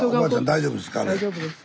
大丈夫ですか？